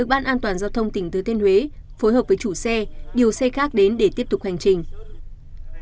ông tỉnh thứ tên huế phối hợp với chủ xe điều xe khác đến để tiếp tục hành trình